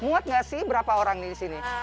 muat nggak sih berapa orang di sini